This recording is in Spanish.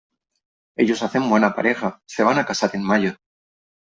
Ellos hacen buena pareja, se van a casar en mayo.